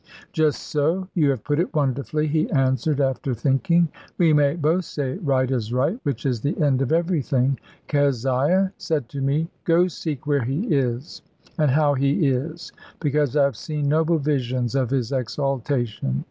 "Just so. You have put it wonderfully," he answered, after thinking: "we may both say right is right, which is the end of everything. Keziah said to me, 'Go seek where he is, and how he is; because I have seen noble visions of his exaltation.'